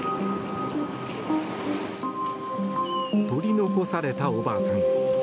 取り残された、おばあさん。